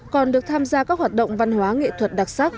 còn được tham gia các hoạt động văn hóa nghệ thuật đặc sắc